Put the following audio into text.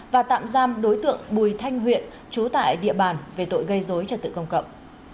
và tạm giam đối tượng bùi thanh huyện trú tại địa bàn về tội gây dối trật tự công cộng